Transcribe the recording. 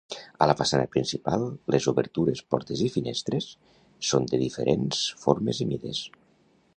A la façana principal, les obertures -portes i finestres- són de diferents formes i mides.